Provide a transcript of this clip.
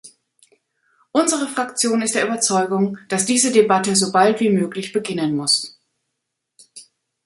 Unsere Fraktion ist der Überzeugung, dass diese Debatte so bald wie möglich beginnen muss.